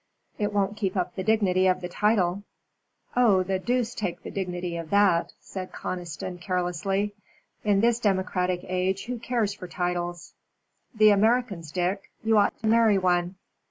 "It won't keep up the dignity of the title." "Oh, the deuce take the dignity of that," said Conniston, carelessly. "In this democratic age who cares for titles?" "The Americans, Dick. You ought to marry one."